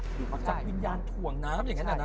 อยู่ก่อนจากวิญญาณถ่วงน้ำนั้น